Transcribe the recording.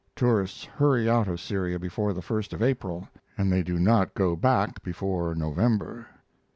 Tourists hurry out of Syria before the first of April, and they do not go back before November.